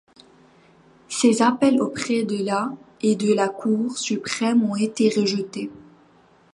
Ses appels auprès de la et de la Cour suprême ont été rejetés.